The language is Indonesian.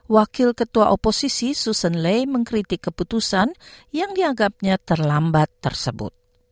wakil ketua oposisi suson lei mengkritik keputusan yang dianggapnya terlambat tersebut